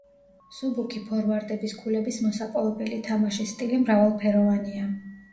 მსუბუქი ფორვარდების ქულების მოსაპოვებელი თამაშის სტილი მრავალფეროვანია.